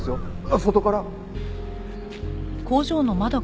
外から。